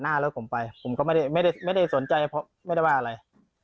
แล้วก็ไปต่อออกไปก็ไม่ได้สนใจอะไร